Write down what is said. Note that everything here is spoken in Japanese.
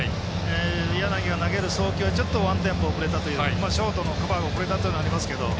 柳が投げる送球がワンテンポ遅れたとかショートのカバーが遅れたというのがありますけど。